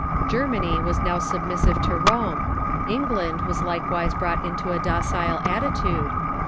Germany was now submissive to Rome. Eng land was likewise brought into a docile attitude.